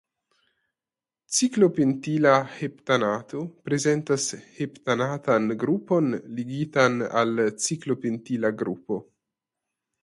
Ciklopentila heptanato prezentas heptanatan grupon ligitan al ciklopentila grupo.